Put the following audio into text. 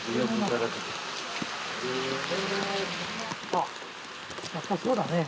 あっやっぱりそうだね。